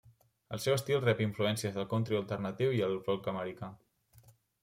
El seu estil rep influències del country alternatiu i el folk americà.